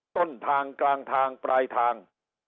ต้นทางกลางทางปลายทาง